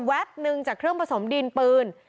หนึ่งจากเครื่องผสมดินปืน